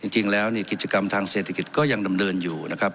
จริงแล้วเนี่ยกิจกรรมทางเศรษฐกิจก็ยังดำเนินอยู่นะครับ